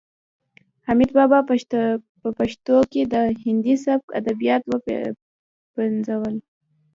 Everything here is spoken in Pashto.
حمید بابا په پښتو کې د هندي سبک ادبیات وپنځول.